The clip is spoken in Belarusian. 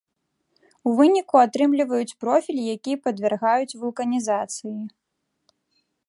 У выніку атрымліваюць профіль, які падвяргаюць вулканізацыі.